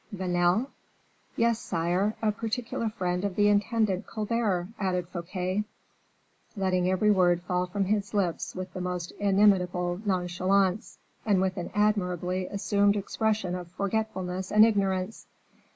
"Vanel?" "Yes, sire, a particular friend of the intendant Colbert," added Fouquet; letting every word fall from his lips with the most inimitable nonchalance, and with an admirably assumed expression of forgetfulness and ignorance.